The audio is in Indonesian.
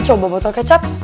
coba botol kecap